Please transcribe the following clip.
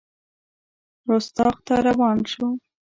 رُستاق ته روان شو.